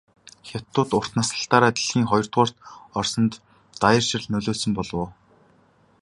Хятадууд урт наслалтаар дэлхийд хоёрдугаарт орсонд даяаршил нөлөөлсөн болов уу?